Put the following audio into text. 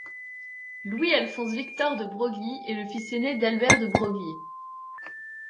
Louis-Alphonse-Victor de Broglie est le fils aîné d'Albert de Broglie.